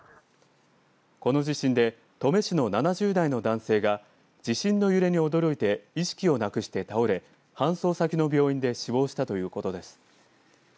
この地震で登米市の７０代の男性が地震の揺れに驚いて意識をなくして倒れ搬送先の病院で死亡したということです。